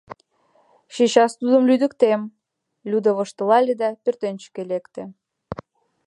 — Чечас тудым лӱдыктем, — Люда воштылале да пӧртӧнчыкӧ лекте.